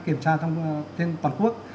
kiểm tra trên toàn quốc